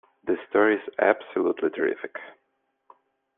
This story is absolutely terrific!